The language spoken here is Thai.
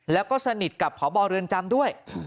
แล้วก็สนิทกับพบเรือนจำด้วย